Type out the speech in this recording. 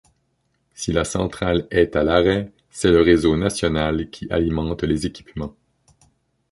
Si la centrale est à l'arrêt, c'est le réseau national qui alimente les équipements.